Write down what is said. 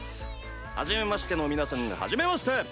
はじめましての皆さんはじめまして。